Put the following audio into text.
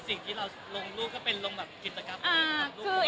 สิ่งที่เราลงลูกก็เป็นลงกิจกรรม